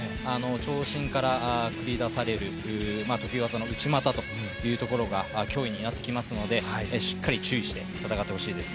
長身から繰り出される得意技の内股というところが脅威になってきますのでしっかり注意して戦ってほしいです。